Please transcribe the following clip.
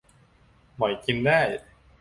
หมอยกินได้